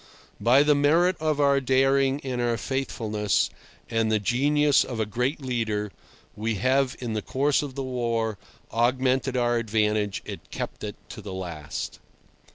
By the merit of our daring and our faithfulness, and the genius of a great leader, we have in the course of the war augmented our advantage and kept it to the last.